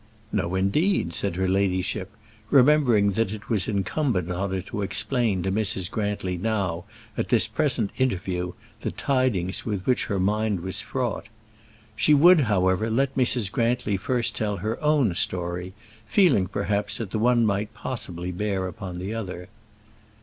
"No, indeed," said her ladyship, remembering that it was incumbent on her to explain to Mrs. Grantly now at this present interview the tidings with which her mind was fraught. She would, however, let Mrs. Grantly first tell her own story, feeling, perhaps, that the one might possibly bear upon the other.